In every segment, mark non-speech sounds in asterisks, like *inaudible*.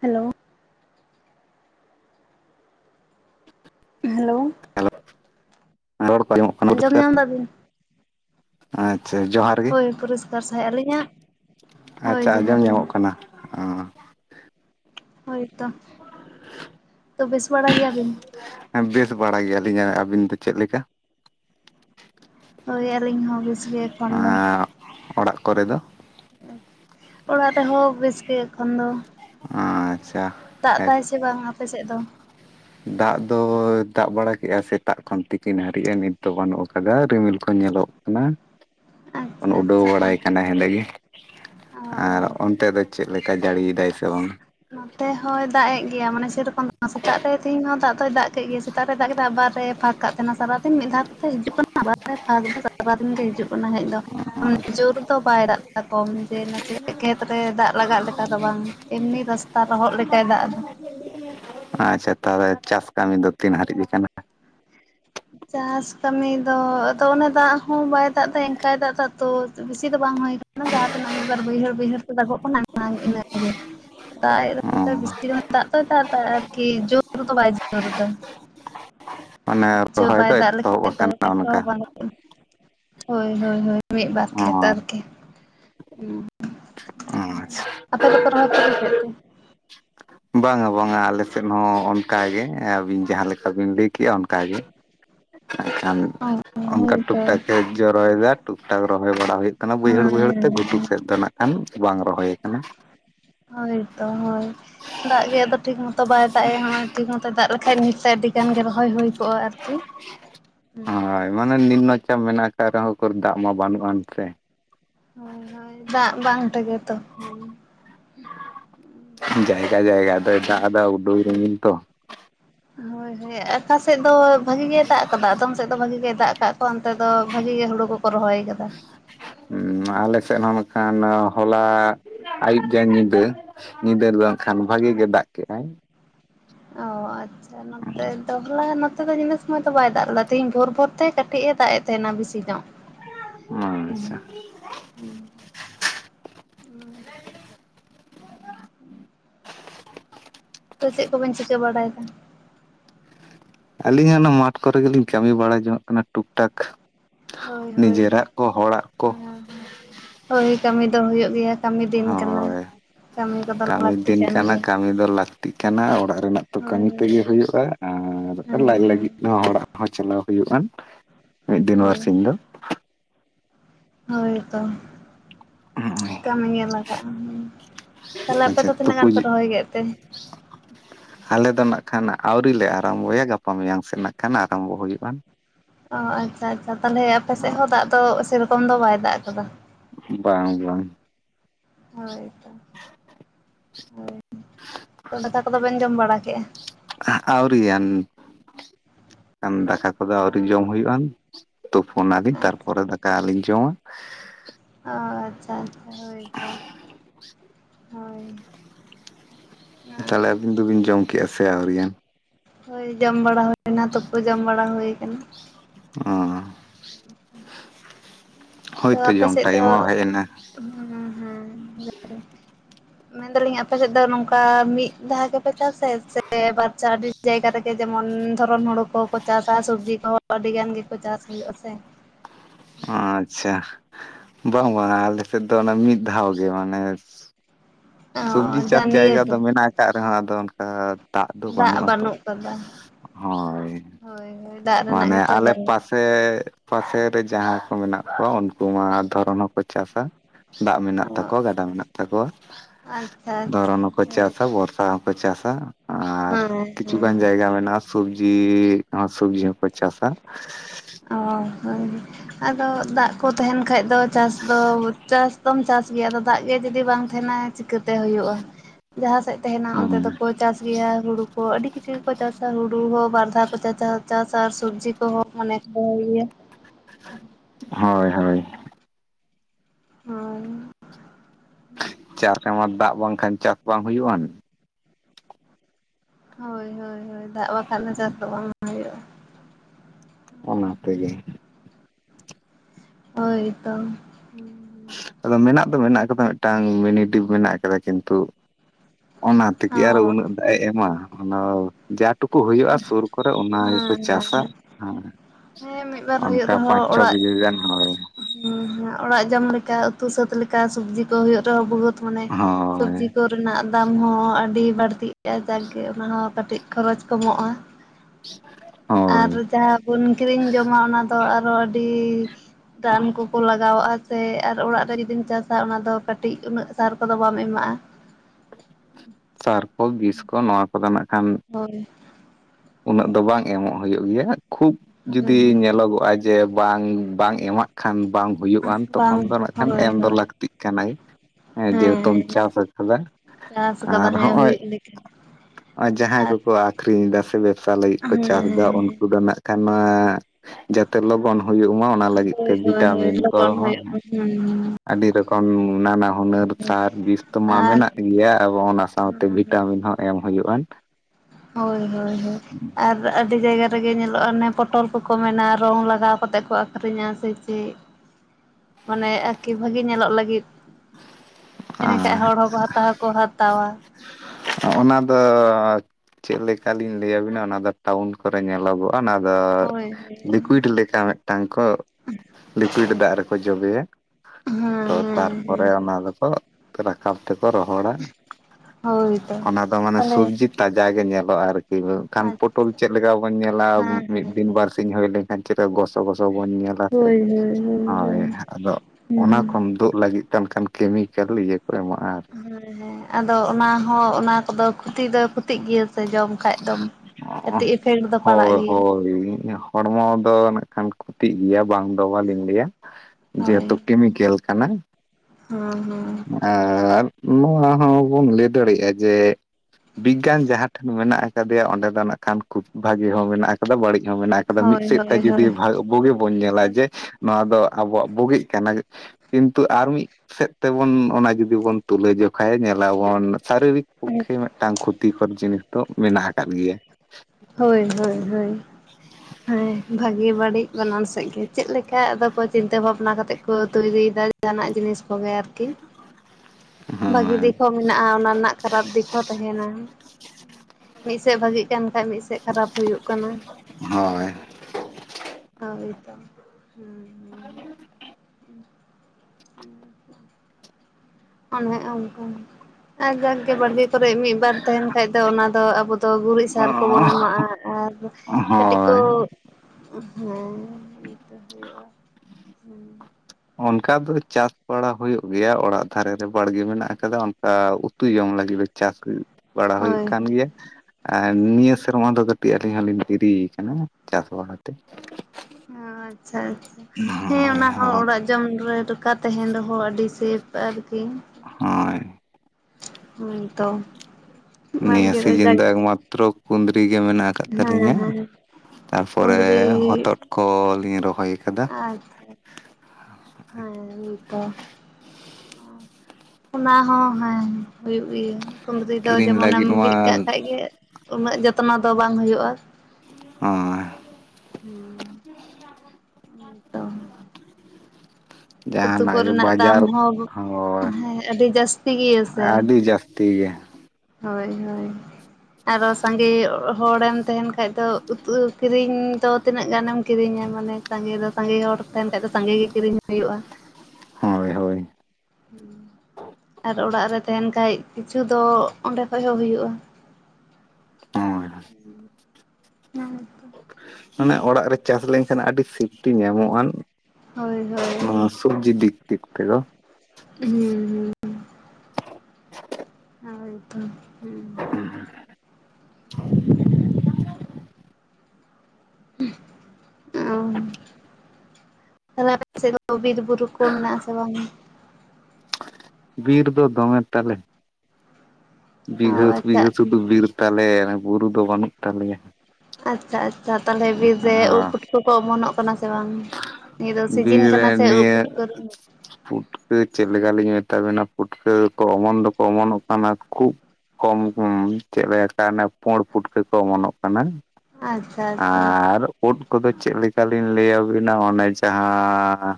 Hello hello hello ᱨᱚᱲ ᱠᱚ ᱟᱸᱡᱚᱢᱚᱜ ᱠᱟᱱᱟ ᱛᱚ ᱟᱸᱡᱚᱢ ᱯᱷᱤᱭᱟᱨ ᱧᱟᱢ ᱜᱮ? ᱫᱟᱵᱤᱱ ᱟᱪᱪᱷᱟ ᱡᱚᱦᱟᱨ ᱜᱤ ᱦᱳᱭ ᱯᱚᱨᱤᱥᱠᱟᱨ ᱥᱟᱺᱦᱤᱡ ᱟᱹᱞᱤᱧᱟᱜ ᱦᱳᱭ ᱟᱪᱪᱷᱟ ᱟᱸᱡᱚᱢ ᱡᱚᱦᱟᱨ ᱜᱮ ᱧᱟᱢᱚᱜ ᱠᱟᱱᱟ ᱚ ᱦᱳᱭᱛᱚ, ᱛᱚ ᱵᱮᱥ ᱵᱟᱲᱟ ᱜᱮᱭᱟᱵᱮᱱ? ᱦᱮᱸ ᱵᱮᱥ ᱵᱟᱲᱟ ᱜᱮᱭᱟᱞᱤᱧ ᱟᱨ ᱟᱵᱤᱱ ᱫᱚ ᱪᱮᱫ ᱞᱮᱠᱟ? ᱦᱳᱭ ᱟᱹᱞᱤᱧ ᱦᱚᱸ ᱵᱮᱥ ᱜᱮ ᱮᱠᱷᱚᱱ ᱟ ᱫᱚ ᱚᱲᱟᱜ ᱠᱚᱨᱮ ᱫᱚ? ᱚᱲᱟᱜ ᱨᱮᱦᱚᱸ ᱵᱮᱥ ᱜᱮ ᱠᱷᱟᱱ ᱫᱚ᱾ ᱟᱪᱪᱷᱟ ᱫᱟᱜ ᱫᱟᱭ ᱥᱮ ᱵᱟᱝ ᱟᱯᱮ ᱥᱮᱫ ᱫᱚ? ᱫᱟᱜ ᱫᱚ ᱫᱟᱜ ᱵᱟᱲᱟ ᱠᱮᱜ-ᱟ ᱥᱮᱛᱟᱜ ᱠᱷᱚᱱ ᱛᱤᱠᱤᱱ ᱦᱟᱹᱨᱤᱜ ᱱᱤᱛ ᱫᱚ ᱵᱟᱹᱱᱩᱜ ᱟᱠᱟᱫᱟ ᱨᱤᱢᱤᱞ ᱠᱚ ᱧᱮᱞᱚᱜ ᱠᱟᱱᱟ ᱟᱪᱪᱷᱟ ᱩᱰᱟᱹᱣ ᱟᱪᱪᱷᱟ ᱵᱟᱲᱟᱭ ᱠᱟᱱᱟ ᱦᱮᱸᱫᱮ ᱜᱮ ᱚ ᱟᱨ ᱚ ᱚᱱᱛᱮ ᱫᱚ ᱪᱮᱫ ᱞᱮᱠᱟ ᱡᱟᱹᱲᱤᱭᱫᱟᱭ ᱥᱮ ᱵᱟᱝ? ᱱᱚᱛᱮ ᱦᱚᱸᱭ ᱫᱟᱜ ᱮᱜ ᱜᱮᱭᱟ ᱢᱟᱱᱮ ᱥᱮᱨᱚᱠᱚᱢ ᱥᱮᱛᱟᱜ ᱨᱮ ᱛᱮᱦᱤᱧ ᱦᱚᱸ ᱫᱟᱜ ᱫᱚᱭ ᱫᱟᱜ ᱠᱮᱫ ᱜᱮ ᱥᱮᱛᱟᱜ ᱨᱮᱭ ᱫᱟᱜ ᱠᱮᱫᱟ ᱟᱵᱟᱨ ᱯᱷᱟᱠ ᱠᱟᱜ ᱛᱟᱦᱮᱱᱟ ᱥᱟᱨᱟᱫᱤᱱ ᱢᱤᱫ ᱫᱷᱟᱣ ᱠᱚᱛᱮ ᱦᱤᱡᱩᱜ ᱠᱟᱱᱟ ᱟᱵᱟᱨ ᱨᱮ ᱯᱷᱟᱠ ᱫᱟ ᱥᱟᱨᱟ ᱫᱤᱱ ᱜᱮ ᱦᱤᱡᱩᱜ ᱠᱟᱱᱟ ᱦᱮᱡ ᱫᱚ ᱡᱳᱨ ᱫᱚ ᱵᱟᱭ ᱨᱟᱜ ᱠᱚᱢ ᱡᱮ ᱱᱟᱥᱤ ᱠᱷᱮᱛᱨᱮ ᱫᱟᱜ ᱞᱟᱜᱟᱜ ᱞᱮᱠᱟ ᱫᱚ ᱵᱟᱝ ᱮᱢᱱᱤ ᱨᱟᱥᱛᱟ ᱨᱚᱦᱚᱲ ᱞᱮᱠᱟᱭ ᱫᱟᱜ ᱮᱫᱟ ᱟᱪᱪᱷᱟ ᱛᱟᱦᱚᱞᱮ ᱪᱟᱥ ᱠᱟᱹᱢᱤ ᱫᱚ ᱛᱤᱱ ᱦᱟᱹᱨᱤᱡ ᱟᱠᱟᱱᱟ? ᱪᱟᱥ ᱠᱟᱹᱢᱤ ᱫᱚ ᱟᱫᱚ ᱚᱱᱮ ᱫᱟᱜ ᱦᱚᱸ ᱵᱟᱭ ᱫᱟᱜ ᱫᱟ ᱮᱱᱠᱟᱭ ᱫᱟᱜ ᱫᱟᱜᱛᱚ ᱵᱤᱥᱤ ᱫᱚ ᱵᱟᱝ ᱦᱳᱭ, ᱢᱟᱱᱮ ᱡᱟᱦᱟᱸ ᱛᱤᱱᱟᱹᱜ ᱢᱤᱫ ᱵᱟᱨ ᱵᱟᱹᱭᱦᱟᱹᱲ ᱵᱟᱹᱭᱦᱟᱹᱲ ᱛᱮ ᱫᱟᱜᱚᱜ ᱠᱟᱱᱟ ᱤᱱᱟᱹ ᱠᱚ ᱜᱮ᱾ ᱫᱟᱜ ᱮᱜ *inaudible* ᱨᱮᱦᱚᱸᱭ ᱚ ᱵᱤᱥᱤ ᱫᱟᱜ ᱫᱚᱭ ᱫᱟᱜ ᱮᱫᱟ ᱟᱨᱠᱤ ᱡᱳᱨᱫᱚ ᱵᱟᱭ ᱡᱳᱨ ᱮᱫᱟ᱾ ᱢᱟᱱᱮ ᱨᱚᱦᱚᱭ ᱫᱚᱭ᱾ ᱮᱫᱚ ᱮᱛᱚ ᱵᱟᱱᱩᱜ *inaudible* ᱦᱳᱭ ᱦᱳᱭ ᱦᱳᱭ ᱢᱤᱫ ᱵᱟᱨ ᱚ ᱠᱷᱮᱛ ᱟᱨᱠᱤ᱾ ᱦᱩ ᱟᱪᱪᱷᱟ ᱟᱯᱮ ᱫᱚᱯᱮ ᱨᱚᱦᱚᱭ ᱯᱩᱨᱟᱹ ᱠᱮᱫ ᱛᱮ? *unintelligible* ᱵᱟᱝᱟ ᱵᱟᱝᱟ ᱟᱞᱮᱥᱮᱫ ᱦᱚᱸ ᱚᱱᱠᱟ ᱜᱮ। ᱟᱹᱵᱤᱱ ᱡᱟᱦᱟᱸ ᱞᱮᱠᱟ ᱵᱤᱱ ᱞᱮᱭ ᱠᱮᱜᱼᱟ ᱚᱱᱠᱟ ᱜᱮ। ᱟᱪᱪᱷᱟ ᱚ *unintelligible* ᱚᱱᱠᱟ ᱦᱳᱭᱛᱚ ᱴᱩᱠᱼᱴᱟᱠ ᱮ ᱡᱚᱨᱚᱭᱫᱟ। ᱴᱩᱠᱼ ᱴᱟᱠ ᱨᱚᱦᱚᱭ ᱵᱟᱲᱟ ᱦᱩᱭᱩᱜ ᱠᱟᱱᱟ ᱵᱟᱹᱭᱦᱟᱹᱲ ᱵᱟᱹᱭᱦᱟᱹᱲ ᱼᱼ ᱛᱮ। ᱜᱷᱩᱴᱩ ᱦᱩᱸ ᱥᱮᱫ ᱫᱚ ᱱᱟᱜ ᱠᱷᱟᱱ ᱵᱟᱝ ᱨᱚᱦᱚᱭ ᱠᱟᱱᱟ। ᱦᱳᱭᱛᱚ ᱦᱳᱭ। ᱫᱟᱜ ᱜᱮ ᱟᱫᱚ ᱴᱷᱤᱠ ᱢᱚᱛᱚ ᱵᱟᱭ ᱫᱟᱜ ᱮ। ᱦᱚᱸᱜᱼᱚᱭ ᱴᱷᱤᱠ ᱢᱚᱛᱚᱭ ᱫᱟᱜ ᱞᱮᱠᱷᱟᱡ ᱱᱤᱛ ᱛᱮ ᱟᱹᱰᱤ ᱜᱟᱱ ᱜᱮ ᱨᱚᱦᱚᱭ ᱦᱩᱭ ᱠᱚᱜᱼᱟ। ᱟᱨ ᱼᱼ ᱦᱳᱭ ᱢᱟᱱᱮ ᱱᱤᱡᱱᱚ ᱪᱟᱯ ᱢᱮᱱᱟᱜ ᱠᱟᱫ ᱨᱮᱦᱚᱸ ᱩᱠᱩᱨ ᱫᱟᱜ ᱢᱟ ᱵᱟᱹᱱᱩᱜᱼᱟᱱ ᱛᱮ? ᱦᱳᱭ ᱦᱳᱭ। ᱫᱟᱜ ᱵᱟᱝ ᱛᱮᱜᱮ ᱛᱚ ᱦᱮᱸ। ᱡᱟᱭᱜᱟ ᱡᱟᱭᱜᱟ ᱫᱚᱭ ᱫᱟᱜ ᱮᱫᱟ। ᱩᱰᱟᱹᱣ ᱨᱤᱢᱤᱞ ᱛᱚ᱾ ᱦᱳᱭ ᱦᱳᱭ। ᱟᱠᱟ ᱥᱮᱫ ᱫᱚ ᱵᱷᱟᱜᱤ ᱜᱮ ᱫᱟᱜ ᱟᱠᱟᱫᱟ। ᱟᱫᱚᱢ ᱥᱮᱫ ᱼᱼ ᱫᱚ ᱵᱷᱟᱜᱤ ᱜᱮ ᱫᱟᱜ ᱠᱟᱜ ᱠᱚᱣᱟ। ᱚᱱᱛᱮ ᱫᱚ ᱵᱷᱟᱜᱤ ᱜᱮ ᱦᱳᱲᱳ ᱠᱚᱠᱚ ᱨᱚᱦᱚᱭ ᱟᱠᱟᱫᱟ। ᱦᱩᱸ ᱟᱞᱮ ᱥᱮᱫ ᱦᱚᱸ ᱢᱮᱱᱠᱷᱟᱱ ᱦᱚᱞᱟ ᱟᱹᱭᱩᱵ ᱡᱮ ᱧᱤᱫᱟᱹ ᱼᱼ ᱧᱤᱫᱟᱹ ᱫᱚ ᱮᱠᱷᱟᱱ ᱵᱷᱟᱜᱤ ᱜᱮ ᱫᱟᱜ ᱠᱮᱜᱼᱟᱭ। ᱚ ᱟᱪᱪᱷᱟ। ᱱᱚᱛᱮ ᱦᱚᱞᱟ ᱱᱚᱛᱮ ᱫᱚ ᱡᱤᱱᱤᱥ ᱢᱟ ᱛᱚ ᱵᱟᱭ ᱫᱟᱜ ᱞᱮᱫᱟ। ᱛᱮᱦᱤᱧ ᱵᱷᱳᱨ ᱵᱷᱳᱨ ᱛᱮ ᱠᱟᱹ ᱼᱼ ᱴᱤᱡᱼᱮ ᱫᱟᱜ ᱮᱫ ᱛᱟᱦᱮᱱᱟ ᱵᱮᱥᱤ ᱧᱚᱜ। *unintelligible* ᱚ ᱟᱪᱪᱷᱟ। ᱦᱮᱸ *unintelligible* ᱛᱚ ᱪᱮᱫ ᱠᱚ ᱵᱤᱱ ᱪᱤᱠᱟᱹ ᱵᱟᱲᱟᱭᱮᱫᱟ? ᱟᱹᱞᱤᱧᱟᱜ ᱚᱱᱟ ᱢᱟᱴᱷ ᱠᱚᱨᱮ ᱜᱮᱞᱤᱧ ᱠᱟᱹᱢᱤ ᱵᱟᱲᱟ ᱡᱚᱝᱟᱜ ᱠᱟᱱᱟ ᱴᱩᱠ ᱴᱟᱠ। ᱦᱳᱭ ᱦᱳᱭ ᱱᱤᱡᱮᱨᱟᱜ ᱠᱚ, ᱦᱚᱲᱟᱜ ᱠᱚ। ᱦᱳᱭ ᱠᱟᱹᱢᱤ ᱫᱚ ᱦᱳᱭᱳᱜ ᱜᱮᱭᱟ। ᱠᱟᱹᱢᱤ ᱫᱤᱱ ᱠᱟᱱᱟ। ᱦᱳᱭ ᱠᱟᱹᱢᱤ ᱠᱚᱫᱚ ᱠᱟᱹᱢᱤ ᱞᱟᱹᱠᱛᱤ ᱫᱤᱱ ᱠᱟᱱ ᱠᱟᱱᱟ। ᱜᱮᱭᱟ ᱠᱟᱹᱢᱤ ᱫᱚ ᱞᱟᱹᱠᱛᱤᱜ ᱠᱟᱱᱟ। ᱚᱲᱟᱜ ᱨᱮᱱᱟᱜ ᱛᱚ ᱠᱟᱹᱢᱤ ᱦᱳᱭ ᱛᱮᱜᱮ ᱦᱩᱭᱩᱜᱼᱟ। ᱟᱨ ᱦᱳᱭ ᱞᱟᱡ ᱦᱮᱸ ᱦᱮᱸ ᱞᱟᱹᱜᱤᱫ ᱦᱚᱸ ᱦᱚᱲᱟᱜ ᱦᱚᱸ ᱪᱟᱞᱟᱣ ᱦᱩᱭᱩᱜᱼᱟ। ᱢᱤᱫ ᱫᱤᱱ ᱦᱳᱭ ᱵᱟᱨ ᱥᱤᱧ ᱫᱚ। ᱦᱳᱭ ᱛᱚ। ᱠᱟᱹᱢᱤ ᱜᱮ ᱞᱟᱜᱟᱜᱼᱟ। ᱛᱟᱦᱟᱞᱮ ᱟᱯᱮ ᱟᱪᱪᱷᱟ ᱫᱚ ᱛᱤᱱᱟᱹᱜ ᱛᱩᱯᱩ ᱜᱟᱱ ᱯᱮ ᱨᱚᱦᱚᱭ ᱠᱮᱫ ᱛᱮ? *unintelligible* ᱟᱞᱮ ᱫᱚ ᱱᱟᱜ ᱠᱷᱟᱱ ᱟᱹᱣᱨᱤ ᱞᱮ ᱟᱨᱟᱢᱵᱚᱭᱟ। ᱜᱟᱯᱟ ᱢᱮᱭᱟᱝ ᱥᱮᱫ ᱱᱟᱜ ᱠᱷᱟᱱ ᱟᱨᱟᱢᱵᱚ ᱦᱩᱭᱩᱜᱼᱟ। ᱚ ᱟᱪᱪᱷᱟ ᱟᱪᱪᱷᱟ। ᱛᱟᱞᱦᱮ ᱟᱯᱮᱥᱮᱫ ᱦᱚᱸ ᱫᱟᱜ ᱫᱚ ᱥᱮᱨᱚᱠᱚᱢ ᱫᱚ ᱵᱟᱭ ᱫᱟᱜ ᱟᱠᱟᱫᱟ? ᱵᱟᱝ ᱵᱟᱝ। ᱦᱳᱭᱛᱚ᱾ ᱦᱳᱭ। ᱛᱚ ᱫᱟᱠᱟ ᱠᱚᱫᱚ ᱵᱮᱱ ᱡᱚᱢ ᱵᱟᱲᱟ ᱠᱮᱜᱼᱟ? *inaudible* ᱟᱹᱣᱨᱤ ᱭᱟᱱ। ᱠᱷᱟᱱ ᱫᱟᱠᱟ ᱠᱚᱫᱚ ᱟᱹᱣᱨᱤ ᱡᱚᱢ ᱦᱩᱭᱩᱜᱼᱟᱱ। ᱛᱯᱳᱱᱟᱞᱤᱧ, ᱟᱪᱪᱷᱟ ᱛᱟᱨᱯᱚᱨᱮ ᱫᱟᱠᱟ ᱞᱤᱧ ᱡᱚᱢᱟ। ᱚ ᱟᱪᱪᱷᱟ ᱟᱪᱪᱷᱟ᱾ ᱦᱳᱭᱛᱚ ᱾ ᱦᱳᱭ। ᱛᱟᱦᱟᱞᱮ ᱟᱹᱵᱤᱱ ᱫᱚᱵᱤᱱ ᱡᱚᱢ ᱠᱮᱜᱼᱟ ᱥᱮ ᱟᱹᱣᱨᱤᱭᱟᱱ? ᱦᱳᱭ ᱡᱚᱢ ᱵᱟᱲᱟ ᱦᱳᱭᱱᱟ। ᱛᱳᱯᱳ ᱡᱚᱢ ᱵᱟᱲᱟ ᱦᱩᱭ ᱠᱟᱱᱟ। ᱚᱻ। ᱛᱚ ᱦᱳᱭᱛᱚ ᱟᱯᱮ ᱡᱚᱢ ᱥᱮᱫ ᱫᱚ? ᱴᱟᱭᱤᱢ ᱦᱚᱸ ᱦᱮᱡ ᱮᱱᱟ ᱦᱮᱸ ᱦᱮᱸ। *unintelligible* *inaudible* ᱢᱮᱱᱫᱟ ᱞᱤᱧ ᱟᱯᱮᱥᱮᱫ ᱫᱚ ᱱᱚᱝᱠᱟ ᱢᱤᱫ ᱫᱷᱟᱣ ᱜᱮᱯᱮ ᱪᱟᱥᱟ? ᱥᱮ ᱵᱟᱨᱪᱟ ᱟᱹᱰᱤ ᱡᱟᱭᱜᱟ ᱨᱮ ᱡᱮᱢᱚᱱ ᱫᱷᱚᱨᱚᱱ ᱦᱩᱲᱩ ᱠᱚᱦᱚᱸ ᱪᱟᱥᱟ, ᱥᱚᱵᱽᱡᱤ ᱠᱚᱦᱚᱸ ᱟᱹᱰᱤ ᱜᱮᱠᱚ ᱪᱟᱥ ᱦᱩᱭᱩᱜᱼᱟ ᱥᱮ᱾ ᱚ ᱟᱪᱪᱷᱟ, ᱵᱟᱝ ᱵᱟᱝ ᱟᱞᱮ ᱥᱮᱫ ᱫᱚ ᱚᱱᱟ ᱢᱤᱫ ᱫᱷᱟᱣ ᱜᱮ᱾ᱢᱟᱱᱮ ᱚ ᱥᱚᱵᱡᱤ ᱪᱟᱥ ᱡᱟᱭᱜᱟ ᱡᱟᱱᱤᱭᱟᱹᱛᱮ ᱫᱚ ᱢᱮᱱᱟᱜ ᱟᱠᱟᱫ ᱨᱮᱦᱚᱸ, ᱟᱫᱚ ᱚᱱᱠᱟ ᱫᱟᱜ ᱫᱚ ᱵᱟᱹᱱᱩᱜᱼᱟ ᱵᱟᱹᱱᱩᱜ ᱠᱟᱫᱟ ᱛᱚ᱾ᱦᱳᱭ᱾ ᱦᱳᱭ ᱦᱳᱭ ᱫᱟᱜ ᱨᱮᱱᱟᱜ ᱢᱟᱱᱮ ᱜᱮᱛᱚ ᱟᱞᱮ ᱡᱟᱞᱟ ᱯᱟᱥ ᱥᱮ ᱯᱟᱥᱮ ᱨᱮ ᱡᱟᱦᱟᱸᱭ ᱠᱚ ᱢᱮᱱᱟᱜ ᱠᱚᱣᱟ, ᱩᱱᱠᱩ ᱢᱟ ᱫᱷᱚᱨᱚᱱ ᱦᱚᱸᱠᱚ ᱪᱟᱥᱟ᱾ ᱫᱟᱜ ᱢᱮᱱᱟᱜ ᱚ ᱛᱟᱠᱚᱣᱟ ᱜᱟᱰᱟ, ᱢᱮᱱᱟᱜ ᱛᱟᱠᱚᱣᱟ᱾ ᱟᱪᱪᱷᱟ ᱫᱷᱚᱨᱚᱱ ᱦᱚᱸᱠᱚ ᱟᱪᱪᱷᱟ ᱪᱟᱥᱟ, ᱵᱚᱨᱥᱟ ᱦᱚᱸ ᱠᱚ ᱪᱟᱥᱟ᱾ ᱟᱨ ᱦᱮᱸ ᱠᱤᱪᱷᱩ ᱜᱟᱱ ᱦᱮᱸ ᱡᱟᱭᱜᱟ ᱢᱮᱱᱟᱜᱼᱟ, ᱥᱚᱵᱡᱤᱻ ᱦᱚᱸ ᱥᱚᱵᱽᱡᱤ ᱦᱚᱸᱠᱚ ᱪᱟᱥᱟ᱾ ᱚ, ᱦᱚᱭ ᱟᱫᱚ ᱫᱟᱜ ᱠᱚ ᱛᱟᱦᱮᱱ ᱠᱷᱟᱡ ᱫᱚ ᱪᱟᱥ ᱫᱚ ᱪᱟᱥ ᱫᱚᱢ ᱪᱟᱥ ᱜᱮᱭᱟ ᱟᱫᱚ ᱫᱟᱜ ᱜᱮ ᱡᱩᱫᱤ ᱵᱟᱝ ᱛᱟᱦᱮᱱᱟ ᱪᱤ ᱠᱟᱹᱛᱮ ᱦᱩᱭᱩᱜ-ᱟ ᱡᱟᱦᱟᱸ ᱥᱮᱫ ᱛᱮᱦᱮᱱᱟ ᱚᱱᱛᱮ ᱫᱚᱠᱚ ᱪᱟᱥ ᱜᱮᱭᱟ ᱦᱩᱲᱩ ᱠᱚ ᱟᱹᱰᱤ ᱠᱤᱪᱷᱩ ᱜᱮᱠᱚ ᱪᱟᱥᱟ ᱦᱩᱲᱩ ᱦᱚᱸ ᱵᱟᱨ ᱫᱷᱟᱣ ᱠᱚ ᱪᱟ-ᱪᱟᱣ ᱪᱟᱥ ᱟᱨ ᱥᱚᱵᱽᱡᱤ ᱠᱚᱦᱚᱸ ᱢᱟᱱᱮ *unintelligible* ᱦᱚᱭ ᱦᱚᱭ᱾ ᱦᱚᱭ, ᱪᱟᱨᱠᱟ ᱢᱟ ᱫᱟᱜ ᱵᱟᱝᱠᱷᱟᱱ ᱪᱟᱥ ᱵᱟᱝ ᱦᱩᱭᱩᱜ-ᱟᱱ᱾ ᱦᱳᱭ ᱦᱳᱭ ᱦᱳᱭ ᱫᱟᱜ ᱵᱟᱠᱷᱟᱱ ᱫᱚ ᱪᱟᱥ ᱫᱚ ᱵᱟᱝ ᱦᱩᱭᱩᱜ-ᱟ᱾ ᱚᱱᱟ ᱛᱮᱜᱮ᱾ ᱦᱳᱭ ᱛᱚ᱾ ᱟᱫᱚ ᱢᱮᱱᱟᱜ ᱫᱚ ᱢᱮᱱᱟᱜ ᱠᱟᱫᱟ ᱢᱤᱫᱴᱟᱝ ᱢᱤᱱᱤ ᱰᱤᱯ ᱢᱮᱱᱟᱜ ᱠᱟᱫᱟ ᱠᱤᱱᱛᱩ, ᱚᱱᱟ ᱛᱤᱜᱤ ᱟᱨᱚ ᱚ ᱩᱱᱟᱹᱜ ᱫᱟᱜ ᱮ ᱮᱢᱟ ᱚᱱᱟ ᱡᱟ ᱴᱩᱠᱩ ᱦᱩᱭᱩᱜ-ᱟ ᱥᱩᱨ ᱠᱚᱨᱮ ᱚᱱᱟ ᱜᱮᱠᱚ ᱦᱮᱸ ᱦᱮᱸ ᱪᱟᱥᱟ ᱦᱮᱸ, ᱦᱮᱸ ᱢᱤᱫ ᱚᱱᱠᱟ ᱯᱟᱸᱪ ᱪᱷᱚ ᱵᱤᱜᱷᱟᱹ ᱜᱟᱱ ᱦᱳᱭ᱾ ᱦᱩᱸ ᱦᱩᱸ ᱚᱲᱟᱜ ᱡᱚᱢ ᱞᱮᱠᱟ ᱩᱛᱩ ᱥᱟᱹᱛ ᱞᱮᱠᱟ ᱥᱚᱵᱽᱡᱤ ᱠᱚ ᱦᱩᱭᱩᱜ ᱨᱮᱦᱚᱸ ᱵᱚᱦᱩᱛ ᱢᱟᱱᱮ ᱦᱳᱭ ᱥᱚᱵᱽᱡᱤ ᱠᱚ ᱨᱮᱱᱟᱜ ᱫᱟᱢ ᱦᱚᱸ ᱟᱹᱰᱤ ᱵᱟᱹᱲᱛᱤᱜ ᱛᱮ ᱡᱟᱠᱜᱮ ᱚᱱᱟ ᱦᱚᱸ ᱠᱟᱹᱴᱤᱡ ᱠᱷᱚᱨᱚᱪ ᱠᱚᱢᱚᱜ-ᱟ, ᱦᱳᱭ ᱟᱨ ᱡᱟᱦᱟᱸ ᱵᱚᱱ ᱠᱤᱨᱤᱧ ᱡᱚᱢᱟ ᱚᱱᱟ ᱫᱚ ᱟᱨᱚ ᱟᱹᱰᱤ ᱨᱟᱱ ᱠᱚᱠᱚ ᱞᱟᱜᱟᱣᱟᱜ-ᱟ᱾ ᱚᱱᱟ ᱛᱮ ᱟᱨ ᱚᱲᱟᱜ ᱨᱮ ᱡᱩᱫᱤᱢ ᱪᱟᱥᱟ ᱚᱱᱟ ᱫᱚ ᱠᱟᱹᱴᱤᱡ ᱩᱱᱟᱹᱜ ᱥᱟᱨ ᱠᱚᱫᱚ ᱵᱟᱢ ᱮᱢᱟᱜ-ᱟ᱾ ᱥᱟᱨ ᱠᱚ, ᱵᱤᱥ ᱠᱚ ᱱᱚᱣᱟ ᱠᱚᱫᱚ ᱱᱟᱜ ᱠᱷᱟᱱ, ᱦᱳᱭ᱾ ᱩᱱᱟᱹᱜ ᱫᱚ ᱵᱟᱝ ᱮᱢᱚᱜ ᱦᱩᱭᱩᱜ ᱜᱮᱭᱟ ᱠᱷᱩᱵ ᱦᱳᱭ ᱡᱩᱫᱤ ᱦᱳᱭ ᱧᱮᱞᱚᱜᱚᱜ-ᱟᱡᱽ, ᱡᱮ ᱵᱟᱝ ᱵᱟᱝ ᱮᱢᱟᱜ ᱠᱷᱟᱱ ᱵᱟᱝ ᱦᱩᱭᱩᱜ-ᱟᱱ ᱵᱟᱝ ᱛᱚᱠᱷᱚᱱ ᱫᱚ ᱱᱟᱜ ᱠᱷᱟᱱ ᱦᱳᱭ ᱮᱢ ᱫᱚ ᱦᱳᱭ ᱞᱟᱹᱠᱛᱤᱜ ᱠᱟᱱᱟᱭ᱾ ᱦᱮᱸ ᱡᱮᱦᱮᱛᱩᱢ ᱪᱟᱥ ᱟᱠᱟᱫᱟ ᱪᱟᱥ ᱠᱟᱫᱟ ᱟᱨ ᱦᱮᱸ ᱦᱚᱸᱜ-ᱚᱭ, ᱦᱩᱭᱩᱜ ᱞᱮᱠᱟ ᱚᱸᱭ ᱡᱟᱦᱟᱸᱭ ᱟᱨ ᱠᱚᱠᱚ ᱟᱹᱠᱷᱨᱤᱧ ᱮᱫᱟ ᱥᱮ ᱵᱮᱵᱽᱥᱟ ᱞᱟᱹᱜᱤᱫ ᱠᱚ ᱦᱮᱸ ᱪᱟᱥ ᱮᱫᱟ ᱩᱱᱠᱩ ᱩᱱᱠᱩ ᱫᱚ ᱱᱟᱜ ᱠᱷᱟᱱ ᱱᱚᱭᱟᱸ ᱡᱟᱛᱮ ᱞᱚᱜᱚᱱ ᱦᱩᱭᱩᱜ ᱢᱟ ᱚᱱᱟ ᱦᱮᱸ ᱞᱟᱹᱜᱤᱫ ᱛᱮ ᱦᱳᱭ ᱦᱳᱭ ᱦᱳᱭ ᱵᱷᱤᱴᱟᱢᱤᱱ ᱞᱚᱜᱚᱱ ᱠᱚᱦᱚᱸ, *unintelligible* ᱟᱹᱰᱤ ᱨᱚᱠᱚᱢ ᱱᱟᱱᱟ ᱦᱩᱱᱟᱹᱨ ᱥᱟᱨ ᱵᱤᱥᱛᱚ ᱢᱟ ᱟᱨ ᱢᱮᱱᱟᱜ ᱜᱮᱭᱟ ᱮᱵᱚᱝ ᱚᱱᱟ ᱥᱟᱸᱶᱛᱮ ᱵᱷᱤᱴᱟᱢᱤᱱ ᱦᱚᱸ, ᱮᱢ ᱦᱩᱭᱩᱜ-ᱟᱱ᱾ ᱦᱳᱭ ᱦᱳᱭ ᱦᱳᱭ ᱟᱨ ᱨᱟᱜ ᱟᱹᱰᱤ ᱡᱟᱭᱜᱟ ᱨᱮᱜᱮ ᱧᱮᱞᱚᱜ-ᱟ ᱚᱱᱮ ᱯᱚᱴᱚᱞ ᱠᱚᱠᱚ ᱢᱮᱱᱟ ᱨᱚᱝ ᱞᱟᱜᱟᱣ ᱠᱟᱛᱮᱫ ᱠᱚ ᱟᱹᱠᱷᱨᱤᱧᱟ ᱥᱮ ᱪᱮᱜ? ᱢᱟᱱᱮ ᱟᱨᱠᱤ ᱵᱷᱟᱜᱤ ᱧᱮᱞᱚᱜ ᱞᱟᱹᱜᱤᱫ᱾ ᱮᱱᱟᱹ ᱠᱷᱟᱡ ᱦᱚᱲ ᱦᱚᱸᱠᱚ ᱦᱟᱛᱟᱣ ᱦᱚᱸᱠᱚ ᱦᱟᱛᱟᱣᱟ᱾ ᱚᱱᱟ ᱫᱚ ᱪᱮᱫ ᱞᱮᱠᱟᱞᱤᱧ ᱞᱟᱹᱭ ᱟᱵᱤᱱᱟ ᱚᱱᱟ ᱫᱚ ᱴᱟᱣᱩᱱ ᱠᱚᱨᱮ ᱧᱮᱞᱚᱜᱚᱜ᱾ ᱚᱱᱟ ᱫᱚ ᱦᱳᱭ ᱦᱳᱭ ᱦᱮᱸ ᱞᱤᱠᱩᱭᱤᱰ ᱞᱮᱠᱟ᱾ ᱴᱟᱝ ᱠᱚ ᱞᱤᱠᱩᱭᱤᱰ ᱫᱟᱜ ᱨᱮᱠᱚ ᱡᱚᱵᱮᱭᱟ ᱛᱚ ᱛᱟᱨ ᱦᱮᱸ ᱦᱮᱸ ᱯᱚᱨᱮ ᱚᱱᱟ ᱫᱚᱠᱚ ᱨᱟᱠᱟᱵ ᱛᱮᱠᱚ ᱨᱚᱦᱚᱲᱟ᱾ ᱦᱳᱭ᱾ ᱛᱚ ᱚᱱᱟ ᱫᱚ ᱢᱟᱱᱮ ᱛᱟᱦᱚᱞᱮ ᱥᱚᱵᱽᱡᱤ ᱛᱟᱡᱟ ᱜᱮ ᱧᱮᱞᱚᱜ-ᱟ ᱟᱨ ᱠᱤᱵᱟᱹ ᱠᱷᱟᱱ ᱯᱚᱴᱚᱞ ᱟᱪᱪᱷᱟ ᱪᱮᱫ ᱞᱮᱠᱟ ᱵᱚᱱ ᱧᱮᱞᱟ ᱦᱮᱸ ᱢᱤᱫ ᱦᱮᱸ ᱫᱤᱱ ᱵᱟᱨᱥᱤ ᱦᱩᱭ ᱞᱮᱱᱠᱷᱟᱱ᱾ ᱪᱤᱠᱠᱟᱹ ᱜᱚᱥᱚ ᱜᱚᱥᱚ ᱵᱚᱱ ᱧᱮᱞᱟ ᱥᱮ ᱦᱳᱭ ᱟᱫᱚ ᱦᱩᱸ ᱚᱱᱟ ᱠᱷᱚᱱ ᱫᱩᱜ ᱞᱟᱹᱜᱤᱫ᱾ ᱠᱷᱟᱱ ᱠᱷᱟᱱ ᱠᱮᱢᱤᱠᱮᱞ ᱤᱭᱟᱹ ᱠᱚ ᱮᱢᱟᱜᱼᱟ᱾ ᱦᱮᱸ ᱦᱮᱸ ᱟᱫᱚ ᱚᱱᱟ ᱦᱚᱸ ᱚᱱᱟ ᱠᱚᱫᱚ ᱠᱷᱚᱛᱤ ᱫᱚ ᱠᱷᱚᱛᱤᱜ ᱜᱤᱭᱟᱹᱛ᱾ ᱥᱮ ᱡᱚᱢ ᱠᱷᱟᱡ ᱫᱚᱢ ᱠᱟᱹᱴᱤᱡ ᱤᱯᱷᱮᱠᱴ ᱫᱚ ᱯᱟᱲᱟᱜ ᱜᱤᱭᱟᱹ᱾ ᱦᱚᱭ *unintelligible* ᱦᱚᱲᱢᱚ ᱫᱚ ᱱᱟᱜ ᱠᱷᱟᱱ ᱠᱷᱚᱛᱤᱜ ᱜᱮᱭᱟ ᱵᱟᱝ ᱫᱚᱵᱟᱞᱤᱧ ᱞᱟᱹᱭᱟ ᱦᱳᱭ ᱡᱮᱦᱮᱛᱩ ᱠᱮᱢᱤᱠᱮᱞ᱾ ᱠᱟᱱᱟ ᱦᱚᱸ ᱦᱚᱸ᱾ ᱟᱨ ᱱᱚᱣᱟ ᱦᱚᱸᱵᱚᱱ ᱞᱟᱹᱭ ᱫᱟᱲᱮᱭᱟᱜᱼᱟ ᱡᱮ᱾ ᱵᱤᱜᱽᱜᱟᱱ ᱡᱟᱦᱟᱸ ᱴᱷᱮᱱ ᱢᱮᱱᱟᱜ ᱟᱠᱟᱫᱮᱭᱟ ᱚᱸᱰᱮ ᱫᱚ ᱱᱟᱜ ᱠᱷᱩᱵ ᱵᱷᱟᱜᱮ ᱢᱮᱱᱟᱜ ᱟᱠᱟ᱾ ᱵᱟᱹᱲᱤᱡ ᱦᱚᱸ ᱢᱮᱱᱟᱜ ᱠᱟᱫᱟ ᱢᱤᱫ ᱦᱚᱸ ᱦᱳᱭ ᱥᱮᱫ ᱛᱮ ᱦᱳᱭ ᱦᱳᱭ ᱡᱩᱫᱤ ᱟᱵᱚᱜ ᱜᱮ ᱵᱚᱱ ᱧᱮᱞᱟ ᱡᱮ᱾ ᱱᱚᱣᱟ ᱫᱚ ᱟᱵᱚᱣᱟᱜ ᱵᱩᱜᱤ ᱠᱟᱱᱟ ᱠᱤᱱᱛᱩ ᱟᱨ ᱢᱤᱫ ᱥᱮᱫ ᱛᱮᱵᱚᱱ ᱚᱱᱟ ᱡᱩᱫᱤ ᱵᱚᱱ ᱛᱩᱞᱟᱹ ᱡᱚᱠᱷᱟᱭᱟ ᱧᱮᱞᱟᱵᱚᱱ ᱥᱟᱨᱤᱨᱤᱠ ᱯᱚᱠᱠᱷᱮ ᱢᱤᱫᱴᱟᱝ ᱠᱷᱚᱛᱤ ᱠᱷᱚᱛ ᱡᱤᱱᱤᱥ ᱫᱚ ᱢᱮᱱᱟᱜ ᱟᱠᱟᱫ ᱜᱮᱭᱟ᱾ ᱦᱳᱭ ᱦᱳᱭ ᱦᱳᱭ᱾ ᱦᱮᱸ ᱵᱷᱟᱜᱤ ᱵᱟᱹᱲᱤᱡ ᱵᱟᱱᱟᱨ ᱥᱮᱫ ᱜᱮ ᱪᱮᱫ ᱞᱮᱠᱟ ᱟᱫᱚ ᱠᱚ ᱪᱤᱱᱛᱟᱹ ᱵᱷᱟᱵᱱᱟ ᱠᱟᱛᱮ ᱠᱚ ᱟᱹᱛᱩ ᱤᱫᱤᱭᱮᱫᱤ᱾ ᱡᱟᱦᱟᱱᱟᱜ ᱡᱤᱱᱤᱥ ᱠᱚᱜᱮ ᱟᱨᱠᱤ᱾ *unintelligible* ᱵᱷᱟᱜᱤ ᱫᱤᱠ ᱦᱚᱸ ᱢᱮᱱᱟᱜᱼᱟ ᱚᱱᱟ ᱨᱮᱱᱟᱜ ᱠᱷᱟᱨᱟᱯ ᱫᱤᱠ ᱦᱚᱸ ᱛᱟᱦᱮᱱᱟ᱾ ᱢᱤᱫ ᱥᱮᱫ ᱵᱷᱟᱹᱜᱤᱜ ᱠᱟᱱ ᱠᱷᱟᱡ ᱢᱤᱫ ᱥᱮᱫ ᱠᱷᱟᱨᱟᱯ ᱦᱩᱭᱩᱜ ᱠᱟᱱᱟ᱾ ᱦᱳᱭ᱾ *unintelligible* *unintelligible* ᱚᱱᱮᱚᱱᱠᱟ᱾ ᱟᱨ ᱡᱟᱜᱠᱜᱮ ᱵᱟᱲᱜᱮ ᱠᱚᱨᱮ ᱢᱤᱫ ᱵᱟᱨ ᱛᱟᱦᱮᱱ ᱠᱷᱟᱡ ᱫᱚ ᱚᱱᱟ ᱫᱚ ᱟᱵᱚ ᱫᱚ ᱜᱩᱨᱤᱡ ᱥᱟᱨ ᱠᱚᱵᱚᱱ ᱮᱢᱟᱜᱼᱟ ᱟᱨ ᱠᱟᱹᱴᱤᱡ ᱠᱚ ᱦᱳᱭ ᱦᱮᱸ᱾ ᱦᱳᱭᱳᱜ-ᱟ ᱦᱩᱸ᱾ ᱚᱱᱠᱟ ᱫᱚ ᱪᱟᱥ ᱵᱟᱲᱟ ᱦᱚᱭᱚᱜ ᱜᱮᱭᱟ ᱚᱲᱟᱜ ᱫᱷᱟᱨᱮ ᱨᱮ ᱢᱮᱱᱟᱜ ᱟᱠᱟᱫᱟ ᱚᱱᱠᱟ ᱩᱛᱩ ᱡᱚᱢ ᱞᱟᱹᱜᱤᱫ ᱫᱚ ᱵᱟᱲᱟ ᱦᱩᱭᱩᱜ ᱦᱳᱭ ᱠᱟᱱ ᱜᱮᱭᱟ᱾ ᱟᱨ ᱱᱤᱭᱟᱹ ᱥᱮᱨᱢᱟ ᱫᱚ ᱠᱟᱹᱴᱤᱡ ᱟᱹᱞᱤᱧ ᱦᱚᱸᱞᱤᱧ ᱰᱮᱨᱤ ᱟᱠᱟᱱᱟ ᱠᱟᱱᱟ ᱪᱟᱥᱵᱟᱥᱛᱮ᱾ ᱚ ᱟᱪᱪᱷᱟ ᱟᱪᱪᱷᱟ ᱦᱮᱸ ᱚᱱᱟ ᱦᱚᱸ ᱦᱳᱭ ᱚᱲᱟᱜ ᱡᱚᱢ ᱨᱮ ᱞᱮᱠᱟ ᱛᱟᱦᱮᱱ ᱫᱚ ᱦᱚᱸ ᱟᱹᱰᱤ ᱥᱮᱯ ᱟᱨᱠᱤ ᱦᱳᱭ ᱦᱮ ᱛᱚ᱾ ᱱᱤᱭᱟᱹ ᱵᱟᱲᱜᱮ ᱨᱮ ᱥᱤᱡᱤᱱ ᱫᱚ ᱮᱠᱢᱟᱛᱨᱚ ᱠᱩᱸᱫᱽᱨᱤ ᱜᱮ ᱢᱮᱱᱟᱜᱼᱟ᱾ ᱦᱮ ᱦᱮ᱾ ᱛᱟᱨᱯᱚᱨᱮ ᱦᱚᱛᱚᱫ ᱠᱚᱞᱤᱧ ᱨᱚᱦᱚᱭ ᱟᱠᱟᱫᱟ᱾ ᱟᱪᱪᱷᱟ᱾ ᱦᱮᱸ ᱱᱤ ᱛᱚ᱾ ᱚᱱᱟ ᱦᱚᱸ ᱦᱮᱸ ᱦᱩᱭᱩᱜ ᱜᱮᱭᱟ ᱾ ᱠᱩᱸᱫᱽᱨᱤ ᱫᱚ ᱠᱤᱨᱤᱧ ᱡᱮᱢᱚᱱᱮᱢ ᱞᱟᱹᱜᱤᱫ ᱵᱤᱫ ᱠᱟᱜ ᱱᱚᱣᱟ ᱠᱷᱟᱡ ᱜᱮ ᱩᱱᱟᱹᱜ ᱡᱚᱛᱱᱚ ᱫᱚ ᱵᱟᱝ ᱦᱩᱭᱩᱜᱼᱟ ᱾ *inaudible* ᱫᱚ ᱩᱛᱩ ᱡᱟᱦᱟᱱᱟᱜ ᱜᱮ ᱠᱚᱨᱮᱱᱟᱜ ᱛᱟᱢ ᱵᱟᱡᱟᱨ ᱦᱚᱸ ᱦᱳᱭ ᱦᱮᱸ ᱟᱹᱰᱤ ᱡᱟᱹᱥᱛᱤ ᱜᱮᱭᱟ ᱥᱮ ᱾ ᱟᱹᱰᱤ ᱡᱟᱹᱥᱛᱤ ᱜᱮ ᱦᱳᱭ ᱦᱳᱭ ᱾ ᱟᱨᱚ ᱥᱟᱸᱜᱮ ᱦᱚᱲᱮᱢ ᱛᱟᱦᱮᱱ ᱠᱷᱟᱡ ᱫᱚ ᱩᱛᱩ ᱠᱤᱨᱤᱧ ᱫᱚ ᱾ ᱛᱤᱱᱟᱹᱜ ᱜᱟᱱᱮᱢ ᱠᱤᱨᱤᱧᱟ ᱢᱟᱱᱮ ᱥᱟᱸᱜᱮ ᱫᱚ ᱥᱟᱸᱜᱮ ᱦᱚᱲ ᱛᱟᱦᱮᱱ ᱠᱷᱟᱡ ᱫᱚ ᱥᱟᱸᱜᱮ ᱜᱮ ᱠᱤᱨᱤᱧ ᱦᱩᱭᱩᱜᱼᱟ ᱾ *inaudible* ᱦᱳᱭ ᱦᱳᱭ ᱾ ᱟᱨ ᱚᱲᱟᱜ ᱨᱮ ᱛᱟᱦᱮᱱ ᱠᱷᱟᱡ ᱠᱤᱪᱷᱩ ᱫᱚ ᱚᱸᱰᱮ ᱠᱷᱚᱡ ᱦᱚᱸ ᱦᱩᱭᱩᱜᱼᱟ ᱾ *inaudible* *unintelligible* ᱢᱟᱱᱮ ᱚᱲᱟᱜ ᱨᱮ ᱪᱟᱥ ᱞᱮᱱᱠᱷᱟᱱ ᱟᱹᱰᱤ ᱥᱤᱯᱴᱤ ᱧᱟᱢᱚᱜ ᱟᱱ ᱦᱳᱭ ᱦᱳᱭ ᱦᱩᱸ *unintelligible* ᱥᱩᱛ ᱡᱤ ᱫᱤᱠ ᱫᱤᱠ ᱯᱮᱫᱚ ᱾ ᱦᱩᱸ ᱦᱳᱭ ᱛᱚ ᱦᱩᱸ ᱾ *inaudible* ᱛᱷᱟᱞᱮ ᱟᱯᱮ ᱥᱮᱫ ᱫᱚ ᱵᱤᱨ ᱵᱩᱨᱩ ᱠᱚ ᱢᱮᱱᱟᱜ ᱟᱥᱮ ᱵᱟᱝ? ᱵᱤᱨ ᱫᱚ ᱫᱚᱢᱮ ᱛᱟᱞᱮ᱾ ᱚ ᱵᱤᱜᱟᱹᱥ ᱟᱪᱪᱷᱟ ᱵᱤᱜᱟᱹᱥ ᱥᱩᱫᱩ ᱵᱤᱨ ᱛᱟᱞᱮ ᱵᱩᱨᱩ ᱫᱚ ᱵᱟᱹᱱᱩᱜ ᱛᱟᱞᱮᱭᱟ᱾ ᱟᱪᱪᱷᱟ ᱟᱪᱪᱷᱟ ᱛᱟᱞᱦᱮ ᱵᱤᱨᱮ ᱩᱜ ᱚ ᱯᱩᱴᱠᱟᱹ ᱠᱚ ᱚᱢᱚᱱᱚᱜ ᱠᱟᱱᱟ ᱥᱮ ᱵᱟᱝ ᱱᱤᱭᱟᱹ ᱫᱚ ᱥᱤᱡᱤᱱ ᱵᱤᱨ ᱠᱟᱱᱟ ᱨᱮ ᱥᱮ ᱩᱜ ᱱᱤᱭᱟᱹ ᱯᱩᱴᱠᱟᱹ ᱨᱟᱹᱱ᱾ ᱯᱩᱴᱠᱟᱹ ᱪᱮᱜ ᱞᱮᱠᱟᱞᱤᱧ ᱢᱮᱛᱟᱵᱤᱱᱟ ᱯᱩᱴᱠᱟᱹ ᱠᱚ ᱚᱢᱚᱱ ᱫᱚᱠᱚ ᱚᱢᱚᱱᱜ ᱠᱟᱱᱟ ᱠᱩᱜ᱾ ᱠᱚᱢ ᱦᱩᱢ ᱪᱮᱜ *unintelligible* ᱯᱩᱲ ᱯᱩᱴᱠᱟᱹ ᱠᱚ ᱚᱢᱚᱱᱚᱜ ᱠᱟᱱᱟ ᱟᱪᱪᱷᱟ ᱟᱪᱪᱷᱟ ᱟᱨ ᱳᱴ ᱠᱚᱫᱚ ᱪᱮᱜ ᱞᱮᱠᱟᱞᱤᱧ ᱞᱟᱹᱭ ᱟᱹᱵᱤᱱᱟ ᱚᱱᱮ ᱡᱟᱦᱟᱸ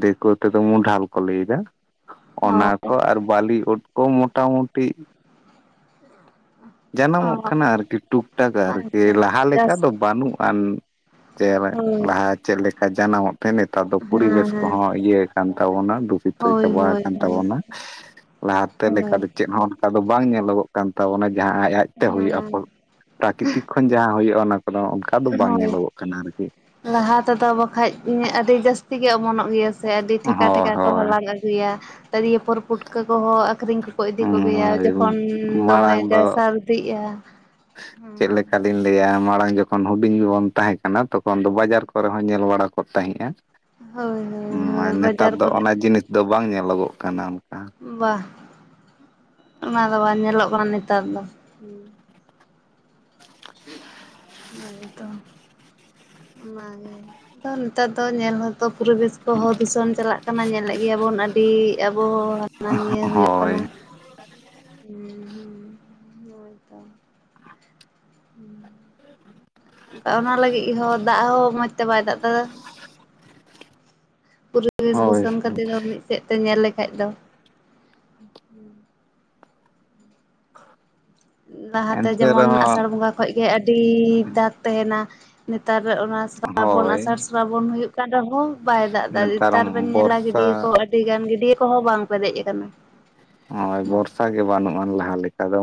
ᱫᱮᱠᱳ ᱛᱮᱫᱚ ᱢᱩᱰᱷᱟᱞ ᱠᱚ ᱞᱟᱹᱭ ᱫᱟ ᱚᱱᱟ ᱚ ᱠᱚ ᱟᱨ ᱵᱟᱞᱤ ᱩᱫ ᱠᱚ ᱢᱚᱴᱟ ᱢᱩᱴᱤ᱾ ᱚ ᱡᱟᱱᱟᱢᱚᱜ ᱠᱟᱱᱟ ᱟᱨᱠᱤ ᱴᱩᱠ ᱴᱟᱠ ᱟᱨᱠᱤ ᱟᱪᱪᱷᱟ ᱟᱪᱪᱷᱟ ᱞᱟᱦᱟ ᱞᱮᱠᱟ ᱪᱟᱥ ᱫᱚ ᱵᱟᱹᱱᱩᱜᱼᱟᱱ᱾ ᱪᱮ ᱵᱮᱜ ᱦᱳᱭ ᱞᱟᱦᱟ ᱪᱮᱜ ᱞᱮᱠᱟ ᱡᱟᱱᱟᱢᱚᱜ ᱛᱮᱱ ᱱᱮᱛᱟᱨ ᱫᱚ ᱦᱮᱸ ᱯᱚᱨᱤᱵᱮᱥ ᱦᱮᱸ ᱠᱚᱦᱚᱸ ᱤᱭᱟᱹ ᱟᱠᱟᱱ ᱛᱟᱵᱚᱱᱟ ᱫᱩᱥᱤᱛᱚ ᱦᱳᱭ ᱪᱟᱵᱟ ᱦᱳᱭ ᱟᱠᱟᱱ ᱦᱳᱭ ᱛᱟᱵᱚᱱᱟ᱾ ᱞᱟᱦᱟᱛᱮ ᱞᱮᱠᱟ ᱦᱳᱭ ᱫᱚ ᱪᱮᱫ ᱦᱚᱸ ᱠᱟ ᱫᱚ ᱵᱟᱝ ᱧᱮᱞᱚᱜᱚᱜ ᱠᱟᱱ ᱛᱟᱵᱚᱱᱟ ᱡᱟᱦᱟᱸ ᱟᱡ ᱟᱡᱛᱮ ᱦᱩᱭᱩᱜᱼᱟ ᱯᱚᱨ ᱦᱮᱸ ᱯᱨᱟᱠᱨᱤᱛᱤᱠ ᱠᱷᱚᱱ ᱡᱟᱦᱟᱸ ᱦᱩᱭᱩᱜᱼᱟ ᱚᱱᱟ᱾ ᱠᱚᱱᱚ ᱚᱱᱠᱟ ᱫᱚ ᱵᱟᱝ ᱧᱮᱞᱚᱜᱚᱜ ᱠᱟᱱᱟ ᱟᱨᱠᱤ ᱾ ᱛᱚᱫᱚ ᱵᱟᱠᱷᱟᱡ ᱤᱧᱟᱹᱜ ᱟᱹᱰᱤ ᱡᱟᱹᱥᱛᱤ ᱜᱮ ᱚᱢᱚᱱᱚᱜ ᱜᱮᱭᱟ ᱥᱮ ᱟᱹᱰᱤ ᱴᱷᱮᱠᱟ ᱦᱳᱭ ᱴᱷᱮᱠᱟ ᱠᱚ ᱦᱳᱭ ᱦᱟᱞᱟᱝ ᱮᱫ ᱟᱹᱜᱩᱭᱟ ᱛᱟᱨᱤᱭᱟ ᱯᱚᱨ ᱯᱩᱴᱠᱟᱹ ᱠᱚᱦᱚᱸ ᱟᱹᱠᱷᱨᱤᱧ ᱠᱚᱠᱚ ᱤᱫᱤ ᱠᱚᱜᱮᱭᱟ ᱡᱚᱠᱷᱚᱱ ᱫᱚᱢᱮ ᱡᱟᱭ ᱥᱟᱨᱫᱤᱜᱼᱟ᱾ ᱪᱮᱜ ᱞᱮᱠᱟᱞᱤᱧ ᱞᱟᱹᱭᱟ ᱢᱟᱲᱟᱝ ᱡᱚᱠᱷᱚᱱ ᱦᱩᱰᱤᱧ ᱵᱚᱱ ᱛᱟᱦᱮᱸᱠᱟᱱᱟ ᱛᱚᱠᱷᱚᱱ ᱫᱚ ᱵᱟᱡᱟᱨ ᱠᱚᱨᱮ ᱧᱮᱞ ᱵᱟᱲᱟ ᱠᱚᱜ ᱛᱟᱦᱮᱸᱫᱼᱟ ᱦᱳᱭ ᱦᱳᱭ ᱦᱳᱭ *inaudible* ᱱᱮᱛᱟᱨ ᱵᱟᱡᱟᱨ ᱫᱚ ᱠᱚᱨᱮ ᱚᱱᱟ ᱡᱤᱱᱤᱥ ᱫᱚ ᱵᱟᱝ ᱧᱮᱞᱚᱜᱚᱜ ᱠᱟᱱᱟ ᱚᱱᱠᱟ᱾ ᱵᱟᱜ ᱚᱱᱟ ᱫᱚ ᱵᱟᱝ ᱧᱮᱞᱚᱜ ᱠᱟᱱᱟ ᱱᱮᱛᱟᱨ ᱫᱚ᱾ *inaudible* *inaudible* ᱦᱳᱭᱛᱚ ᱚᱱᱟᱜᱮ ᱟᱫᱚ ᱱᱮᱛᱟᱨ ᱫᱚ ᱧᱮᱞ ᱦᱚᱸᱛᱚ ᱯᱚᱨᱤᱵᱮᱥ ᱛᱚᱦᱚ ᱫᱷᱩᱥᱚᱱ ᱪᱟᱞᱟᱜ ᱠᱟᱱᱟ ᱧᱮᱞᱮᱫ ᱜᱮᱭᱟᱵᱚᱱ ᱟᱹᱰᱤ ᱟᱵᱚ ᱦᱟᱱᱟ ᱱᱤᱭᱟᱹ ᱦᱩᱭᱩᱜ ᱠᱟᱱᱟ᱾ ᱦᱳᱭ ᱦᱩᱸ ᱚᱱᱟ ᱞᱟᱹᱜᱤᱫ ᱦᱚᱸ ᱫᱟᱜ ᱦᱚᱸ ᱢᱚᱡᱽ ᱛᱮ ᱵᱟᱭ ᱫᱟᱜ ᱫᱟ᱾ ᱯᱚᱨᱤᱵᱮᱥ ᱦᱳᱭ ᱫᱩᱥᱚᱱ ᱠᱷᱟᱛᱤᱨ ᱦᱚ ᱢᱤᱫ ᱥᱮᱫ ᱛᱮ ᱧᱮᱞ ᱞᱮᱠᱷᱟᱱ ᱫᱚ᱾ ᱞᱟᱦᱟᱛᱮ ᱮᱱᱛᱮ ᱡᱮᱢᱚᱱ ᱟᱥᱟᱲ ᱨᱮᱦᱚᱸ ᱵᱚᱸᱜᱟ ᱠᱷᱚᱱ ᱜᱮ ᱟᱹᱰᱤ ᱫᱟᱜᱽ ᱛᱟᱦᱮᱱᱟ᱾ ᱱᱮᱛᱟᱨ ᱚᱱᱟ ᱥᱨᱟᱵᱚᱱ ᱦᱳᱭ ᱟᱥᱟᱲ ᱥᱨᱟᱵᱚᱱ ᱦᱩᱭᱩᱜ ᱠᱟᱱ ᱨᱮᱦᱚᱸ ᱵᱟᱭ ᱫᱟᱜ ᱫᱟᱭ᱾ ᱱᱮᱛᱟᱨ ᱛᱟᱨ ᱵᱮᱱ ᱧᱮᱞᱟ ᱜᱟᱹᱰᱭᱟᱹ ᱠᱚ ᱵᱚᱨᱥᱟ ᱟᱹᱰᱤ ᱜᱟᱱ ᱜᱟᱹᱰᱭᱟᱹ ᱠᱚᱦᱚᱸ ᱵᱟᱝ ᱯᱮᱨᱮᱡ ᱟᱠᱟᱱᱟ᱾ ᱦᱳᱭ ᱵᱚᱨᱥᱟ ᱜᱮ ᱵᱟᱹᱱᱩᱜ ᱟᱱ ᱞᱟᱦᱟ ᱞᱮᱠᱟ ᱫᱚ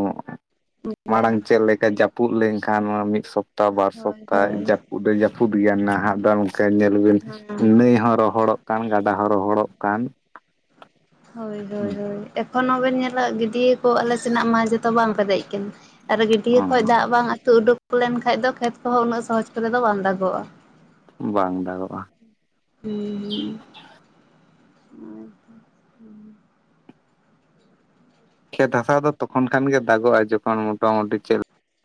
ᱵᱟᱝ ᱢᱟᱲᱟᱝ ᱪᱮᱫ ᱞᱮᱠᱟ ᱡᱟᱯ ᱯᱩᱜ ᱞᱮᱱᱠᱷᱟᱱ ᱱᱚᱣᱟ ᱢᱤᱫ ᱥᱚᱯ ᱛᱟ ᱵᱟᱨ ᱦᱳᱭ ᱥᱚᱯᱛᱟᱭ ᱦᱳᱭ ᱡᱟᱹᱯᱩᱫ ᱫᱚ ᱡᱟᱹᱯᱩᱫ ᱜᱮᱭᱟ ᱱᱟᱜ ᱱᱟᱦᱟᱜ ᱫᱚ ᱱᱚᱝᱠᱟ ᱧᱮᱞ ᱵᱤᱱ ᱦᱮᱸ ᱱᱟᱹᱭ ᱦᱚᱸ ᱨᱚᱦᱚᱲᱚᱜ ᱠᱟᱱ ᱜᱟᱰᱟ ᱦᱚᱸ ᱨᱚᱦᱚᱲᱚᱜ ᱠᱟᱱ᱾ ᱦᱳᱭ ᱦᱳᱭ ᱮᱠᱷᱚᱱ ᱦᱚᱸᱵᱮᱱ ᱧᱮᱞᱟ ᱜᱤᱫ ᱜᱟᱹᱴᱭᱟᱹ ᱠᱚ ᱟᱞᱮ ᱥᱮᱱᱟᱜ ᱢᱟ ᱡᱚᱛᱚ ᱵᱟᱝ ᱯᱮᱛᱮᱦ ᱟᱠᱟᱱᱟ ᱟᱨ ᱜᱟᱹᱰᱭᱟᱹ ᱚ ᱠᱷᱚᱡ ᱫᱟᱜ ᱵᱟᱝ ᱟᱹᱛᱩ ᱩᱰᱩᱠ ᱞᱮᱱᱠᱷᱟᱱᱡ ᱫᱚ ᱠᱷᱮᱛ ᱠᱚᱦᱚᱸ ᱩᱱᱟᱹᱜ ᱥᱚᱦᱚᱡᱽ ᱠᱚᱨᱮ ᱫᱚ ᱵᱟᱝ ᱫᱟᱜᱚᱜ-ᱟ᱾ ᱵᱟᱝ ᱫᱟᱜᱚᱜ-ᱟ᱾ ᱦᱩᱸ ᱦᱩᱸ ᱠᱷᱮᱛ ᱦᱟᱥᱟ ᱫᱚ ᱛᱚᱠᱷᱚᱱ ᱠᱷᱟᱱ ᱜᱮ ᱫᱟᱜᱚᱜ-ᱟ ᱡᱚᱠᱷᱚᱱ ᱢᱚᱴᱟᱢᱩᱴᱤ ᱪᱮᱞ